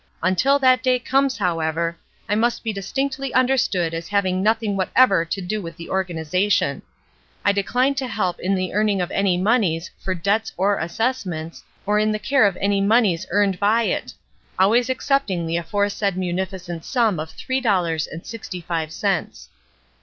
Until that day comes, however, I must be distinctly understood as having nothing whatever to do with the organization. I de cline to help in the earning of any moneys for debts or assessments, or in the care of any moneys earned by it — always excepting the aforesaid munificent sum of three dollars and sixty five cents.